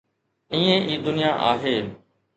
ائين ئي دنيا آهي.